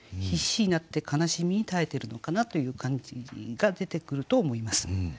必死になって悲しみに耐えてるのかなという感じが出てくると思います。